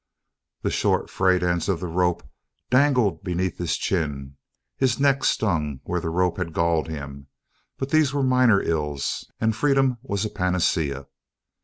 The short, frayed end of the rope dangled beneath his chin; his neck stung where the rope had galled him; but these were minor ills and freedom was a panacea.